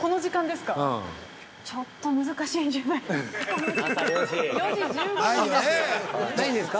◆ちょっと難しいんじゃないですか。